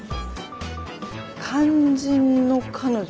肝心の彼女は？